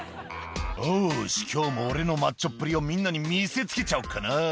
「よし今日も俺のマッチョっぷりをみんなに見せつけちゃおうかな」